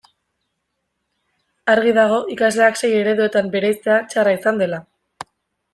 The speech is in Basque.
Argi dago ikasleak sei ereduetan bereiztea txarra izan dela.